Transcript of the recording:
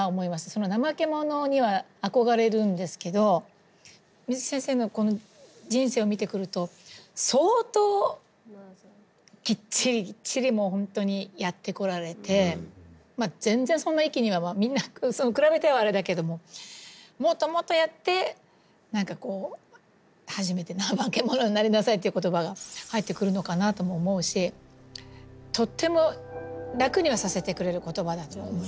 そのなまけ者には憧れるんですけれど水木先生のこの人生を見てくると相当きっちりきっちりもうほんとにやってこられて全然そんな一気にはみんな比べてはあれだけどももっともっとやって初めて「なまけ者になりなさい」って言葉が入ってくるのかなとも思うしとっても楽にはさせてくれる言葉だと思います。